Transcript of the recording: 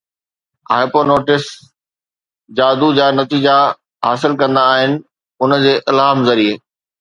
hypnotists جادو جا نتيجا حاصل ڪندا آهن انهن جي الهام ذريعي